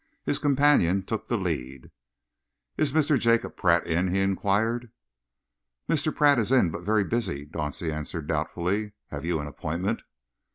His companion took the lead. "Is Mr. Jacob Pratt in?" he enquired. "Mr. Pratt is in but very busy," Dauncey answered doubtfully. "Have you an appointment?"